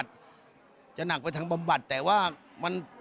แต่ว่ามันเป็นแฮนด์แพนมันไม่มีเงินออกมาต่อไป